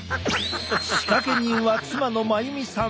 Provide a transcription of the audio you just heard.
仕掛け人は妻の真由美さん。